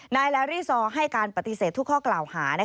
นายลารี่ซอให้การปฏิเสธทุกข้อกล่าวหา